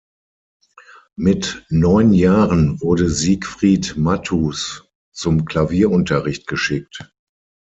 Mit neun Jahren wurde Siegfried Matthus zum Klavierunterricht geschickt.